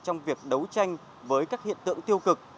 trong việc đấu tranh với các hiện tượng tiêu cực